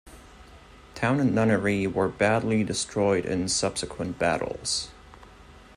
Town and nunnery were badly destroyed in subsequent battles.